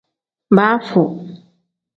Baafu.